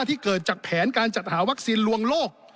ที่เกิดจากแผนการจัดหาวัคซีนลวงโลก